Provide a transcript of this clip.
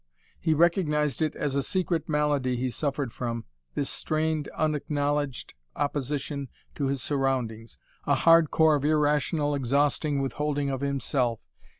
He recognised it as a secret malady he suffered from: this strained, unacknowledged opposition to his surroundings, a hard core of irrational, exhausting withholding of himself.